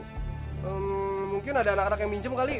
hmm mungkin ada anak anak yang minjem kali